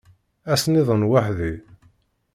Ass-nniḍen weḥd-i.